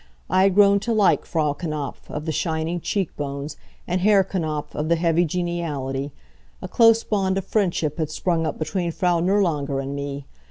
I had grown to like Frau Knapf, of the shining cheek bones, and Herr Knapf, of the heavy geniality. A close bond of friendship had sprung up between Frau Nirlanger and me.